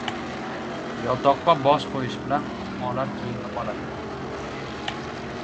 • Yotoqqa bosh qo‘yish bilan muammolar kiyimda qoladi.